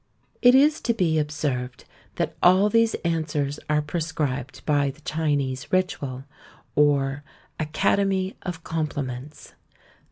It is to be observed that all these answers are prescribed by the Chinese ritual, or Academy of Compliments.